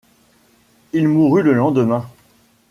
Il mourut le lendemain.